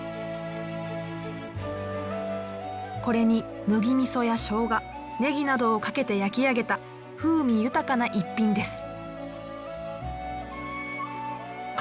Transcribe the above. これに麦みそやしょうがねぎなどをかけて焼き上げた風味豊かな逸品です。